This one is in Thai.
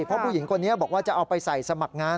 เพราะผู้หญิงคนนี้บอกว่าจะเอาไปใส่สมัครงาน